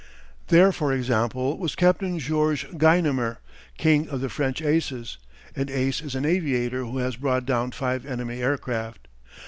There, for example, was Captain Georges Guynemer, "King of the French Aces." An "ace" is an aviator who has brought down five enemy aircraft.